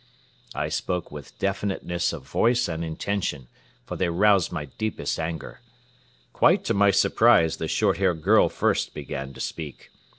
"I spoke with definiteness of voice and intention, for they roused my deepest anger. Quite to my surprise the short haired girl first began to speak.